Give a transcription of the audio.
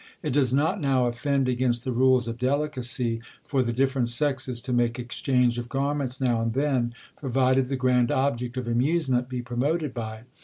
It does not now offend against the rules of del icacy, for the different sexes to make exchange of gar ments now and then, provided the grand object of amusement be promoted by it.